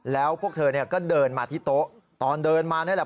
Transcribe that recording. แล้วพวกเธอเนี่ยก็เดินมาที่โต๊ะตอนเดินมานี่แหละ